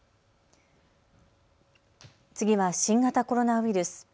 次は新型コロナウイルス。